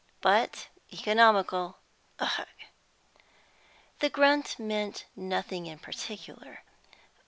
"But economical." "Ugh!" The grunt meant nothing in particular.